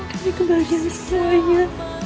demi kebahagiaan semuanya